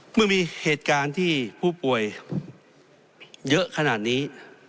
เมื่อมีเหตุการณ์ที่ผู้ป่วยเยอะขนาดนี้